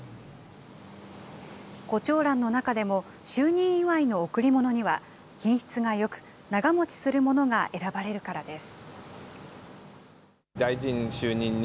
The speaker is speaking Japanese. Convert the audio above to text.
こちょうらんの中でも、就任祝いの贈り物には、品質がよく、長もちするものが選ばれるからです。